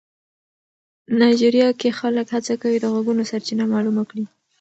نایجیریا کې خلک هڅه کوي د غږونو سرچینه معلومه کړي.